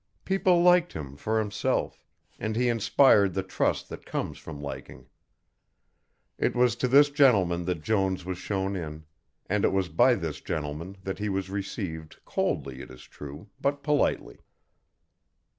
People liked him for himself, and he inspired the trust that comes from liking. It was to this gentleman that Jones was shown in, and it was by this gentleman that he was received coldly, it is true, but politely.